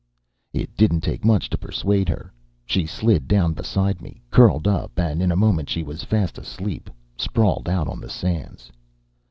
It didn't take much to persuade her. She slid down beside me, curled up, and in a moment she was fast asleep, sprawled out on the sands.